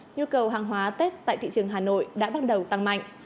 nhu cầu hàng hóa tết tại thị trường hà nội đã bắt đầu tăng mạnh